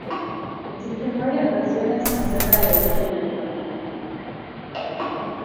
Existen varias versiones acerca del origen del fantasma.